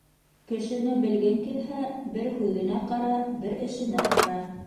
Кешене белгең килһә, бер һүҙенә ҡара, бер эшенә ҡара.